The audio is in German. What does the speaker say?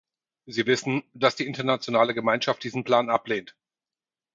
Sie wissen, dass die internationale Gemeinschaft diesen Plan ablehnt.